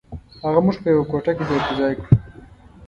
هغه موږ په یوه کوټه کې ځای پر ځای کړو.